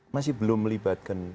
masih belum melibatkan